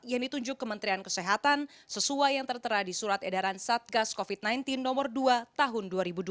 yang ditunjuk kementerian kesehatan sesuai yang tertera di surat edaran satgas covid sembilan belas nomor dua tahun dua ribu dua puluh